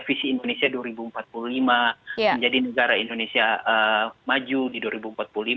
visi indonesia dua ribu empat puluh lima menjadi negara indonesia maju di dua ribu empat puluh lima